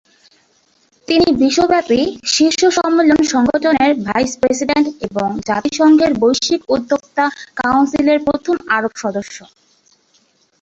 তিনি বিশ্বব্যাপী শীর্ষ সম্মেলন সংগঠনের ভাইস-প্রেসিডেন্ট এবং জাতিসংঘের বৈশ্বিক উদ্যোক্তা কাউন্সিলের প্রথম আরব সদস্য।